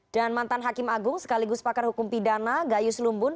mantan hakim agung sekaligus pakar hukum pidana gayus lumbun